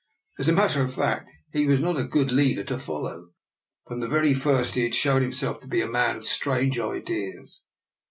As a matter of fact, he was not a good leader to follow. From the very first he had shown himself to be a man of strange ideas.